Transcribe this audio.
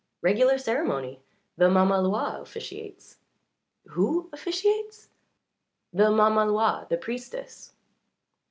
Regular ceremony the mamaloi officiates." "Who officiates?" "The mamaloi the priestess."